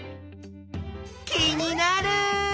気になる！